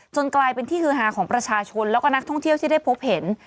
กลายเป็นที่ฮือฮาของประชาชนแล้วก็นักท่องเที่ยวที่ได้พบเห็น